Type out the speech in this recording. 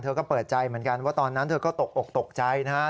เธอก็เปิดใจเหมือนกันว่าตอนนั้นเธอก็ตกอกตกใจนะครับ